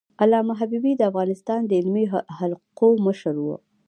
علامه حبيبي د افغانستان د علمي حلقو مشر و.